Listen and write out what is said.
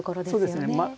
そうですね。